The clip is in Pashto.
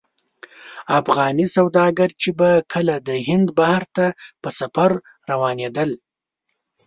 افغاني سوداګر چې به کله د هند بحر ته په سفر روانېدل.